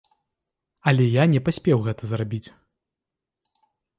Але я не паспеў гэта зрабіць.